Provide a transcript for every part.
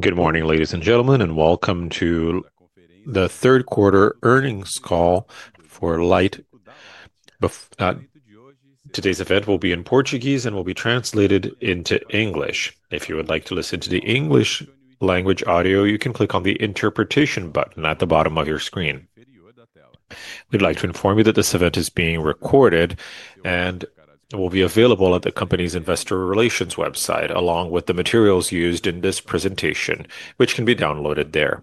Good morning, ladies and gentlemen, and welcome to the third quarter earnings call for Light. Today's event will be in Portuguese and will be translated into English. If you would like to listen to the English language audio, you can click on the interpretation button at the bottom of your screen. We would like to inform you that this event is being recorded and will be available at the company's investor relations website, along with the materials used in this presentation, which can be downloaded there.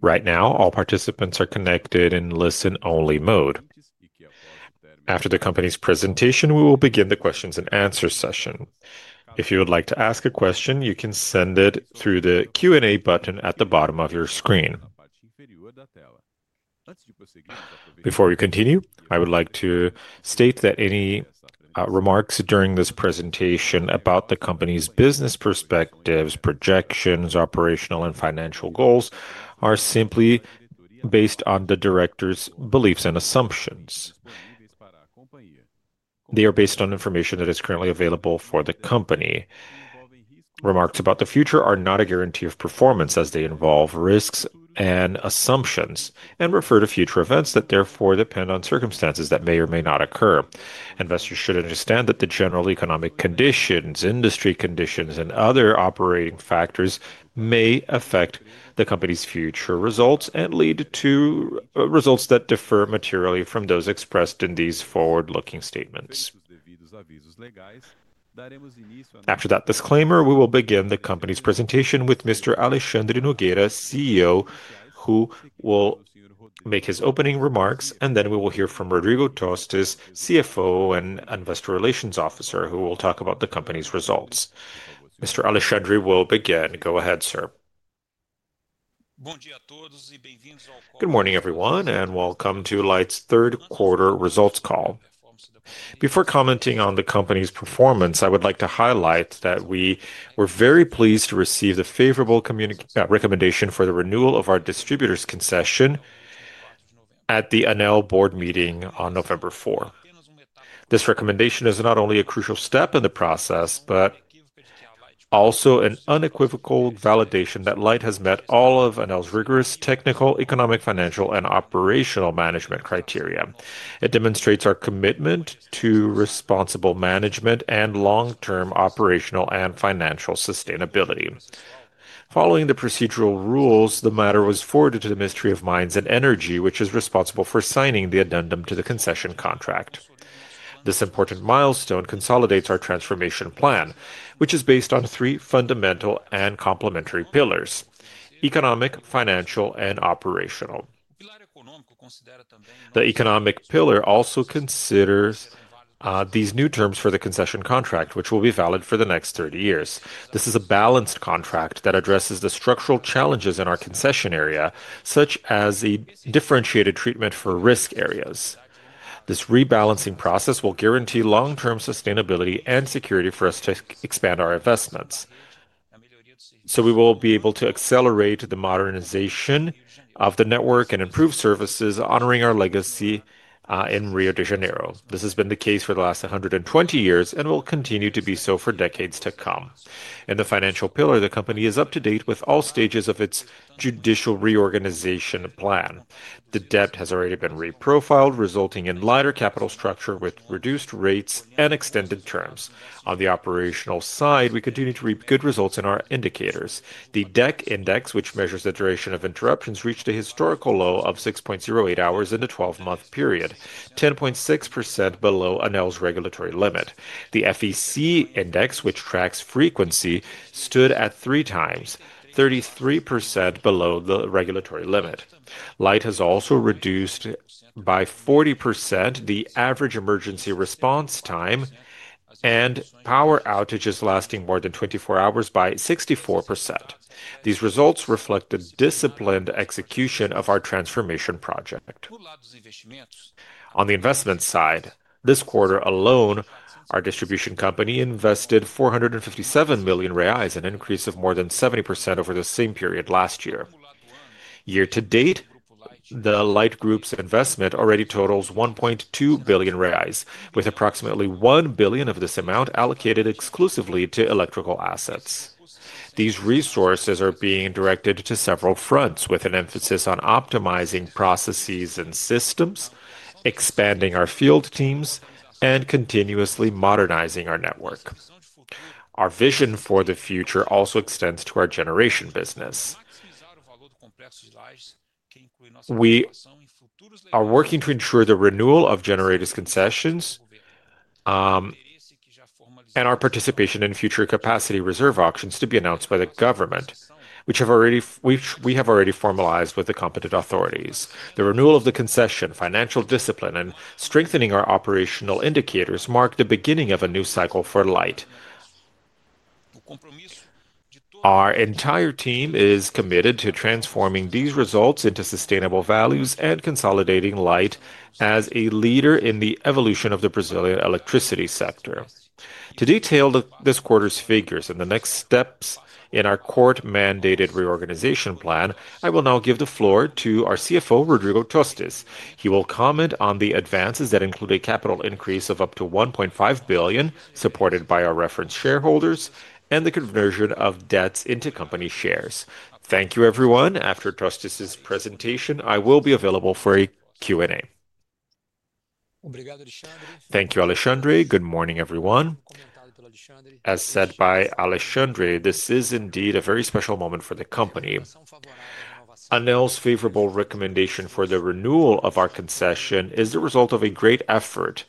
Right now, all participants are connected in listen-only mode. After the company's presentation, we will begin the questions and answers session. If you would like to ask a question, you can send it through the Q&A button at the bottom of your screen. Before we continue, I would like to state that any remarks during this presentation about the company's business perspectives, projections, operational, and financial goals are simply based on the directors' beliefs and assumptions. They are based on information that is currently available for the company. Remarks about the future are not a guarantee of performance, as they involve risks and assumptions and refer to future events that therefore depend on circumstances that may or may not occur. Investors should understand that the general economic conditions, industry conditions, and other operating factors may affect the company's future results and lead to results that differ materially from those expressed in these forward-looking statements. After that disclaimer, we will begin the company's presentation with Mr. Alexandre Nogueira, CEO, who will make his opening remarks, and then we will hear from Rodrigo Tostes, CFO and Investor Relations Officer, who will talk about the company's results. Mr. Alexandre will begin. Go ahead, sir. Good morning, everyone, and welcome to Light's third quarter results call. Before commenting on the company's performance, I would like to highlight that we were very pleased to receive the favorable recommendation for the renewal of our distributor's concession at the ANEEL board meeting on November 4. This recommendation is not only a crucial step in the process, but also an unequivocal validation that Light has met all of ANEEL's rigorous technical, economic, financial, and operational management criteria. It demonstrates our commitment to responsible management and long-term operational and financial sustainability. Following the procedural rules, the matter was forwarded to the Ministry of Mines and Energy, which is responsible for signing the addendum to the concession contract. This important milestone consolidates our transformation plan, which is based on three fundamental and complementary pillars: economic, financial, and operational. The economic pillar also considers these new terms for the concession contract, which will be valid for the next 30 years. This is a balanced contract that addresses the structural challenges in our concession area, such as a differentiated treatment for risk areas. This rebalancing process will guarantee long-term sustainability and security for us to expand our investments. We will be able to accelerate the modernization of the network and improve services, honoring our legacy in Rio de Janeiro. This has been the case for the last 120 years and will continue to be so for decades to come. In the financial pillar, the company is up to date with all stages of its judicial reorganization plan. The debt has already been reprofiled, resulting in a lighter capital structure with reduced rates and extended terms. On the operational side, we continue to reap good results in our indicators. The DEC index, which measures the duration of interruptions, reached a historical low of 6.08 hours in a 12-month period, 10.6% below ANEEL's regulatory limit. The FEC index, which tracks frequency, stood at three times, 33% below the regulatory limit. Light has also reduced by 40% the average emergency response time and power outages lasting more than 24 hours by 64%. These results reflect a disciplined execution of our transformation project. On the investment side, this quarter alone, our distribution company invested 457 million reais, an increase of more than 70% over the same period last year. Year to date, the Light Group's investment already totals 1.2 billion reais, with approximately 1 billion of this amount allocated exclusively to electrical assets. These resources are being directed to several fronts, with an emphasis on optimizing processes and systems, expanding our field teams, and continuously modernizing our network. Our vision for the future also extends to our generation business. We are working to ensure the renewal of generators' concessions and our participation in future capacity reserve auctions to be announced by the government, which we have already formalized with the competent authorities. The renewal of the concession, financial discipline, and strengthening our operational indicators mark the beginning of a new cycle for Light. Our entire team is committed to transforming these results into sustainable values and consolidating Light as a leader in the evolution of the Brazilian electricity sector. To detail this quarter's figures and the next steps in our court-mandated reorganization plan, I will now give the floor to our CFO, Rodrigo Tostes. He will comment on the advances that include a capital increase of up to 1.5 billion, supported by our reference shareholders, and the conversion of debts into company shares. Thank you, everyone. After Tostes's presentation, I will be available for a Q&A. Thank you, Alexandre. Good morning, everyone. As said by Alexandre, this is indeed a very special moment for the company. ANEEL's favorable recommendation for the renewal of our concession is the result of a great effort.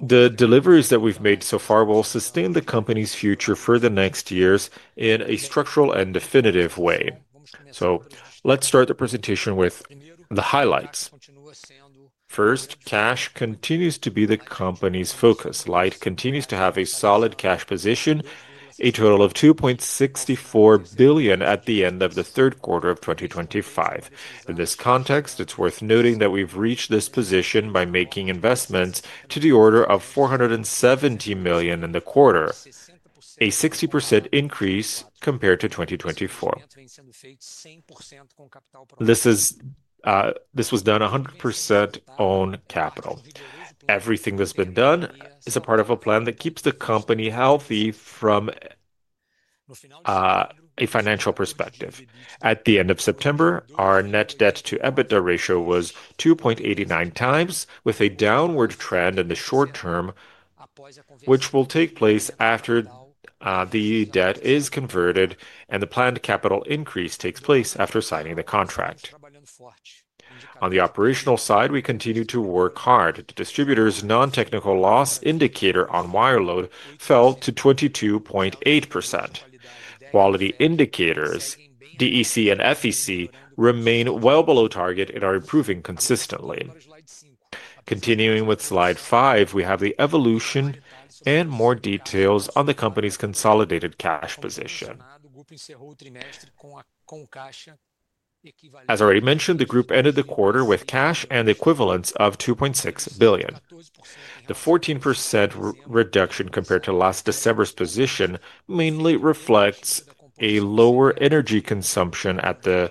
The deliveries that we've made so far will sustain the company's future for the next years in a structural and definitive way. Let's start the presentation with the highlights. First, cash continues to be the company's focus. Light continues to have a solid cash position, a total of 2.64 billion at the end of the third quarter of 2025. In this context, it's worth noting that we've reached this position by making investments to the order of 470 million in the quarter, a 60% increase compared to 2024. This was done 100% on capital. Everything that's been done is a part of a plan that keeps the company healthy from a financial perspective. At the end of September, our net debt to EBITDA ratio was 2.89x, with a downward trend in the short term, which will take place after the debt is converted and the planned capital increase takes place after signing the contract. On the operational side, we continue to work hard. The distributor's non-technical loss indicator on wire load fell to 22.8%. Quality indicators, DEC and FEC, remain well below target and are improving consistently. Continuing with slide five, we have the evolution and more details on the company's consolidated cash position. As already mentioned, the group ended the quarter with cash and the equivalents of 2.6 billion. The 14% reduction compared to last December's position mainly reflects a lower energy consumption at the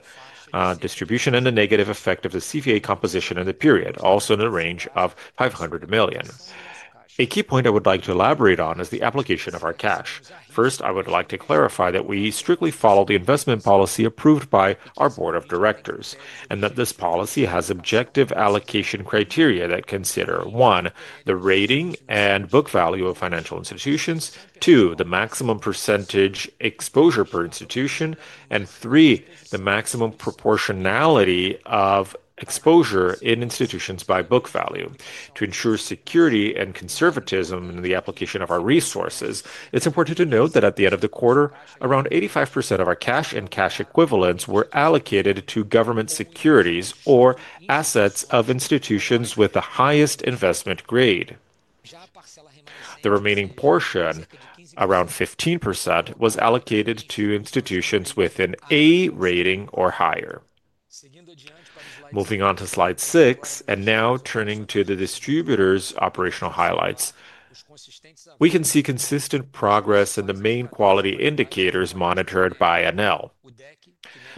distribution and the negative effect of the CVA composition in the period, also in the range of 500 million. A key point I would like to elaborate on is the application of our cash. First, I would like to clarify that we strictly follow the investment policy approved by our Board of Directors and that this policy has objective allocation criteria that consider, one, the rating and book value of financial institutions, two, the maximum percentage exposure per institution, and three, the maximum proportionality of exposure in institutions by book value. To ensure security and conservatism in the application of our resources, it's important to note that at the end of the quarter, around 85% of our cash and cash equivalents were allocated to government securities or assets of institutions with the highest investment grade. The remaining portion, around 15%, was allocated to institutions with an A rating or higher. Moving on to slide six, and now turning to the distributor's operational highlights, we can see consistent progress in the main quality indicators monitored by ANEEL.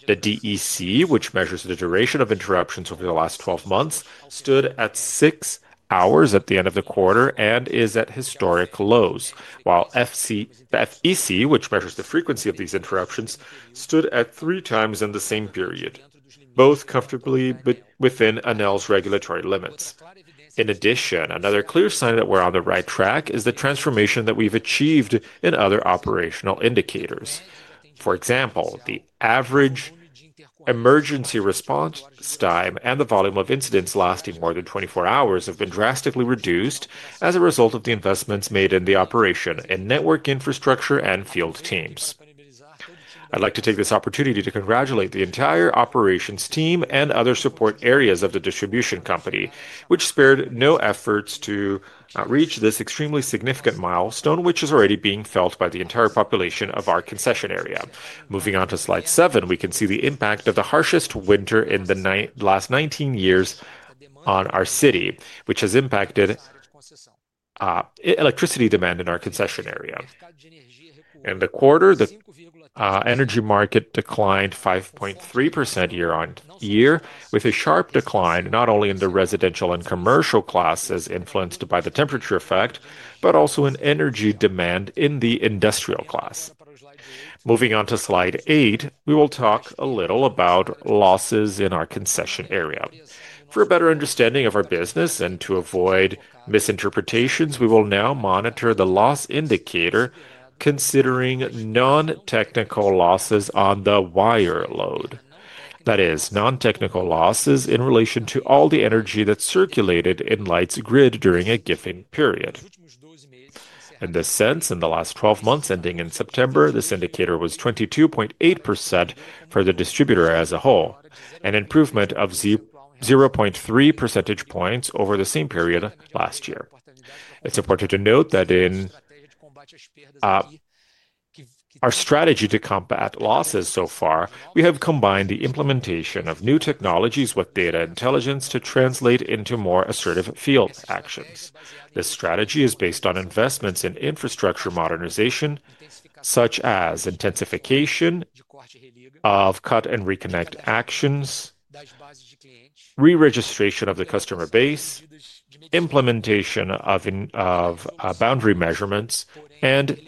The DEC, which measures the duration of interruptions over the last 12 months, stood at six hours at the end of the quarter and is at historic lows, while FEC, which measures the frequency of these interruptions, stood at three times in the same period, both comfortably within ANEEL's regulatory limits. In addition, another clear sign that we're on the right track is the transformation that we've achieved in other operational indicators. For example, the average emergency response time and the volume of incidents lasting more than 24 hours have been drastically reduced as a result of the investments made in the operation and network infrastructure and field teams. I'd like to take this opportunity to congratulate the entire operations team and other support areas of the distribution company, which spared no efforts to reach this extremely significant milestone, which is already being felt by the entire population of our concession area. Moving on to slide seven, we can see the impact of the harshest winter in the last 19 years on our city, which has impacted electricity demand in our concession area. In the quarter, the energy market declined 5.3% year on year, with a sharp decline not only in the residential and commercial classes influenced by the temperature effect, but also in energy demand in the industrial class. Moving on to slide eight, we will talk a little about losses in our concession area. For a better understanding of our business and to avoid misinterpretations, we will now monitor the loss indicator considering non-technical losses on the wire load. That is, non-technical losses in relation to all the energy that circulated in Light's grid during a given period. In this sense, in the last 12 months ending in September, this indicator was 22.8% for the distributor as a whole, an improvement of 0.3 percentage points over the same period last year. It's important to note that in our strategy to combat losses so far, we have combined the implementation of new technologies with data intelligence to translate into more assertive field actions. This strategy is based on investments in infrastructure modernization, such as intensification of cut and reconnect actions, re-registration of the customer base, implementation of boundary measurements, and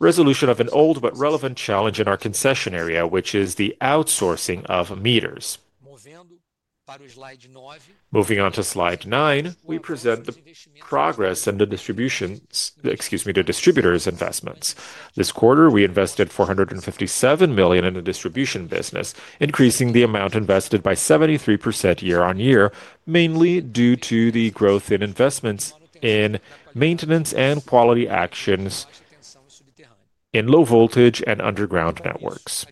resolution of an old but relevant challenge in our concession area, which is the outsourcing of meters. Moving on to slide nine, we present the progress and the distributor's investments. This quarter, we invested 457 million in the distribution business, increasing the amount invested by 73% year-on-year, mainly due to the growth in investments in maintenance and quality actions in low voltage and underground networks.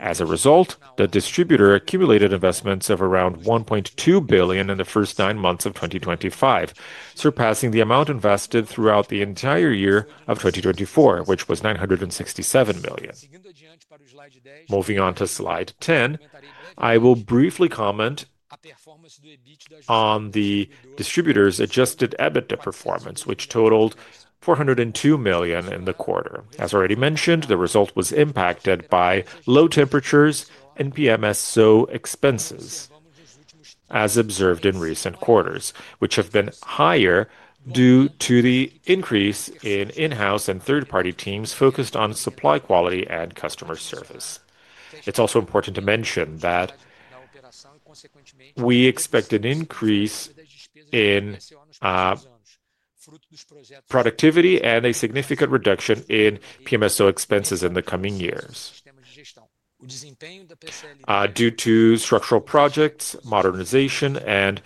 As a result, the distributor accumulated investments of around 1.2 billion in the first nine months of 2025, surpassing the amount invested throughout the entire year of 2024, which was 967 million. Moving on to slide 10, I will briefly comment on the distributor's adjusted EBITDA performance, which totaled 402 million in the quarter. As already mentioned, the result was impacted by low temperatures and PMSO expenses, as observed in recent quarters, which have been higher due to the increase in in-house and third-party teams focused on supply quality and customer service. It's also important to mention that we expect an increase in productivity and a significant reduction in PMSO expenses in the coming years, due to structural projects, modernization, and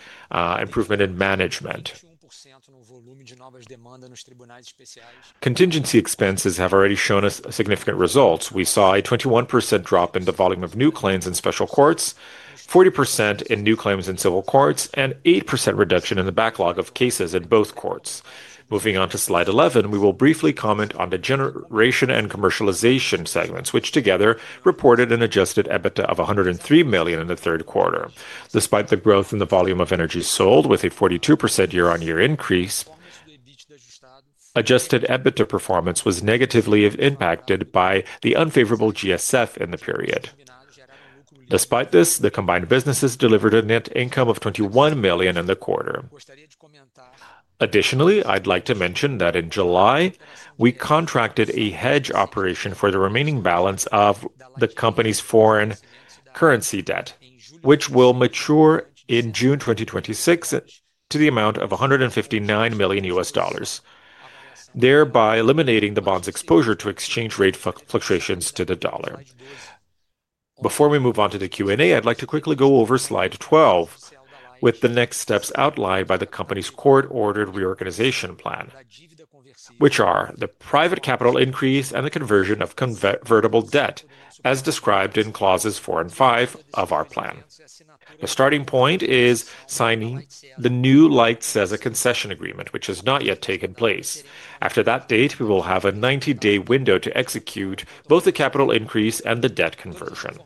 improvement in management. Contingency expenses have already shown us significant results. We saw a 21% drop in the volume of new claims in special courts, 40% in new claims in civil courts, and 8% reduction in the backlog of cases in both courts. Moving on to slide 11, we will briefly comment on the generation and commercialization segments, which together reported an adjusted EBITDA of 103 million in the third quarter. Despite the growth in the volume of energy sold, with a 42% year-on-year increase, adjusted EBITDA performance was negatively impacted by the unfavorable GSF in the period. Despite this, the combined businesses delivered a net income of 21 million in the quarter. Additionally, I'd like to mention that in July, we contracted a hedge operation for the remaining balance of the company's foreign currency debt, which will mature in June 2026 to the amount of $159 million, thereby eliminating the bond's exposure to exchange rate fluctuations to the dollar. Before we move on to the Q&A, I'd like to quickly go over slide 12, with the next steps outlined by the company's court-ordered reorganization plan, which are the private capital increase and the conversion of convertible debt, as described in clauses four and five of our plan. The starting point is signing the new Light S.A. concession agreement, which has not yet taken place. After that date, we will have a 90-day window to execute both the capital increase and the debt conversion.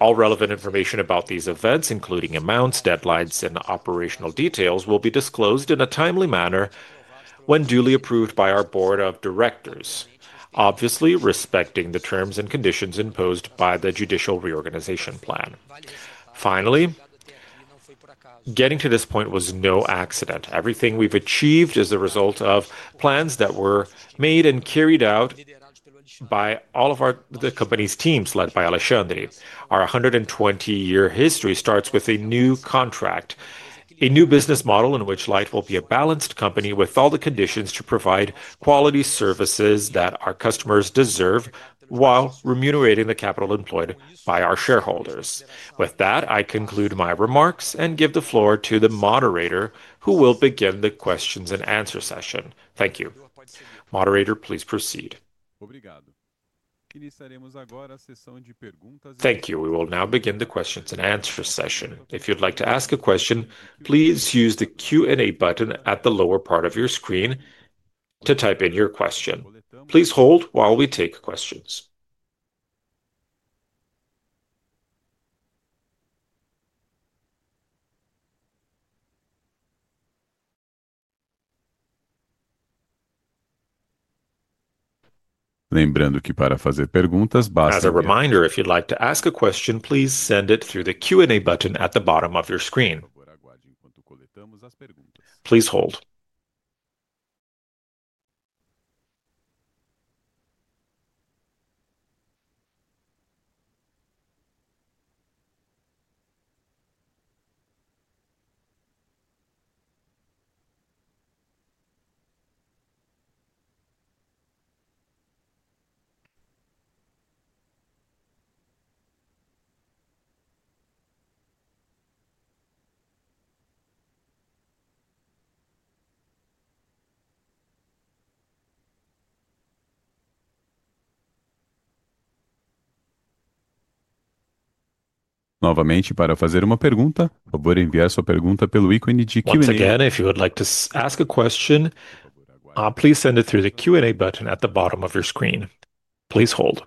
All relevant information about these events, including amounts, deadlines, and operational details, will be disclosed in a timely manner when duly approved by our board of directors, obviously respecting the terms and conditions imposed by the judicial reorganization plan. Finally, getting to this point was no accident. Everything we have achieved is the result of plans that were made and carried out by all of the company's teams led by Alexandre. Our 120-year history starts with a new contract, a new business model in which Light will be a balanced company with all the conditions to provide quality services that our customers deserve while remunerating the capital employed by our shareholders. With that, I conclude my remarks and give the floor to the moderator, who will begin the questions and answers session. Thank you. Moderator, please proceed. Thank you. We will now begin the questions-and-answers session. If you'd like to ask a question, please use the Q&A button at the lower part of your screen to type in your question. Please hold while we take questions. As a reminder, if you'd like to ask a question, please send it through the Q&A button at the bottom of your screen. Please hold. Once again, if you would like to ask a question, please send it through the Q&A button at the bottom of your screen. Please hold.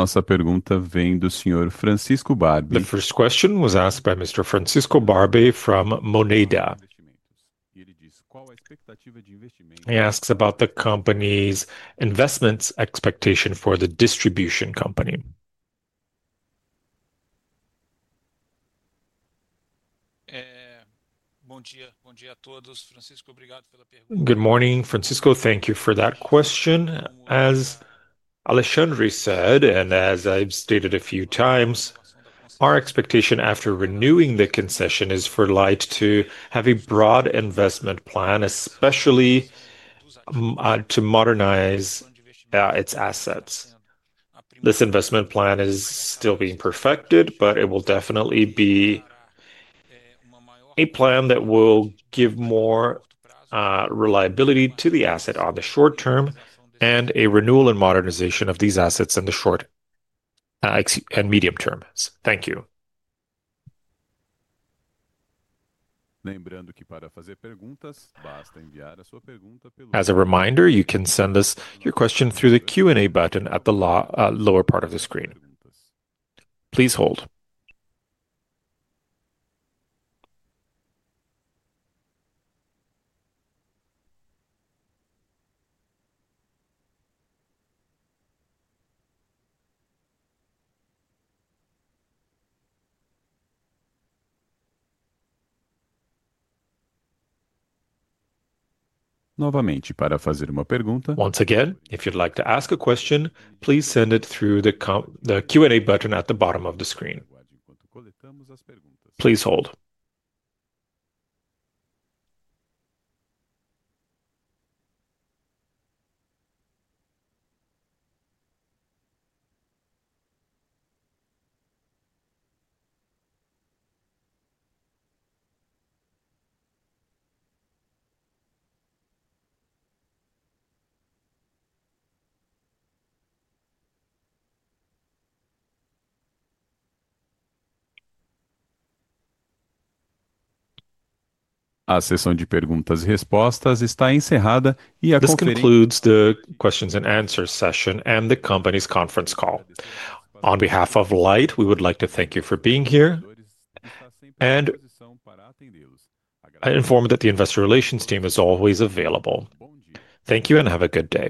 The first question was asked by Mr. Francisco Barbe from Moneda. He asks about the company's investments expectation for the distribution company. Good morning, Francisco. Thank you for that question. As Alexandre said, and as I've stated a few times, our expectation after renewing the concession is for Light to have a broad investment plan, especially to modernize its assets. This investment plan is still being perfected, but it will definitely be a plan that will give more reliability to the asset in the short term and a renewal and modernization of these assets in the short and medium term. Thank you. As a reminder, you can send us your question through the Q&A button at the lower part of the screen. Please hold. Once again, if you'd like to ask a question, please send it through the Q&A button at the bottom of the screen. Please hold. This concludes the questions and answers session and the company's conference call. On behalf of Light, we would like to thank you for being here. I inform that the investor relations team is always available. Thank you and have a good day.